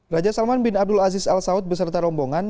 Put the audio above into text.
raja salman bin abdul aziz al saud beserta rombongan